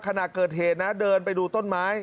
ขณะเกิดเหตุนะเดินไปดูต้นไม้